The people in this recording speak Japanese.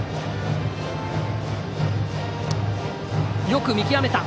よく見極めた！